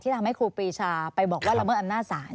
ที่ทำให้ครูปีชาไปบอกว่าเรามีอำนาจสาร